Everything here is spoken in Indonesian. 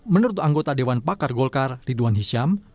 menurut anggota dewan pakar golkar ridwan hisyam